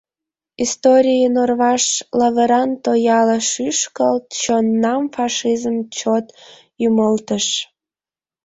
Историйын орваш лавыран тояла шӱшкылт, чоннам фашизм чот ӱмылтыш.